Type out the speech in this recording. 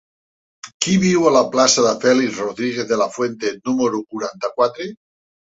Qui viu a la plaça de Félix Rodríguez de la Fuente número quaranta-quatre?